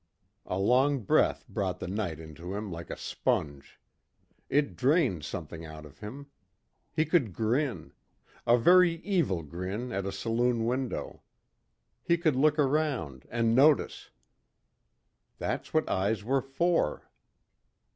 A long breath brought the night into him like a sponge. It drained something out of him. He could grin. A very evil grin at a saloon window. He could look around and notice. That's what eyes were for.